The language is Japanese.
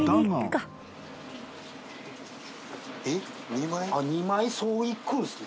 ２枚そういくんすね。